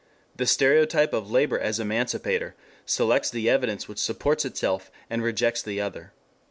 The stereotype of Labor as Emancipator selects the evidence which supports itself and rejects the other.